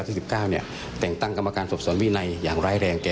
แต่งตั้งกรรมการสอบสวนวินัยอย่างร้ายแรงแก่